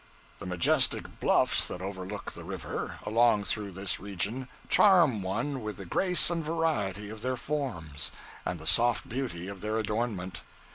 The majestic bluffs that overlook the river, along through this region, charm one with the grace and variety of their forms, and the soft beauty of their adornment.